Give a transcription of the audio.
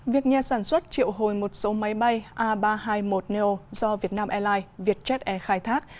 việc nhà sản xuất triệu hồi một số máy bay a ba trăm hai mươi một neo do vietnam airlines vietjet air khai thác